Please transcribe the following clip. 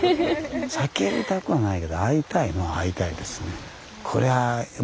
叫びたくはないけど会いたいのは会いたいですね。